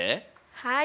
はい！